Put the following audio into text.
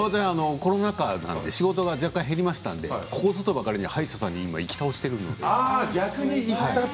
コロナ禍なので仕事が若干減りましたのでここぞとばかりに歯医者さんに行き倒しているので。